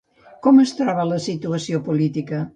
Com es troba la situació política?